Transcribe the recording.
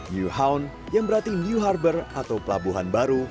nyhamf yang berarti new harbor atau pelabuhan baru